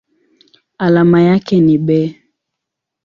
Alama yake ni Be.